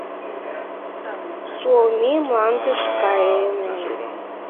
СУОМИ МЛАНДЫШ КАЙЫНЕМ